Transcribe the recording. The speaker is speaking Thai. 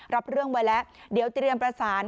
รับเรื่องไว้แล้วเดี๋ยวเตรียมประสาน